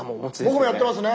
僕もやってますね。